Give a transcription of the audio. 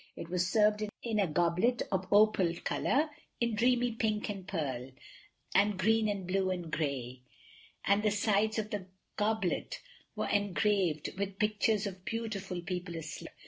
It was served in a goblet of opal color, in dreamy pink and pearl—and green and blue and gray—and the sides of the goblet were engraved with pictures of beautiful people asleep.